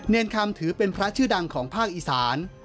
คำถือเป็นพระชื่อดังของภาคอีสาน